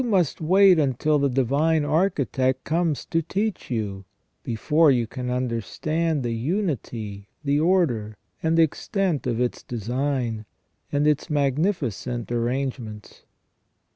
must wait until the Divine Architect comes to teach you before you can understand the unity, the order, and extent of its design, and its magnificent arrangements.